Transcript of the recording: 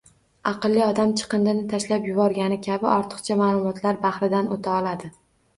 Aqlli odam – chiqindini tashlab yuborgani kabi – ortiqcha ma’lumotlar bahridan o‘ta oladi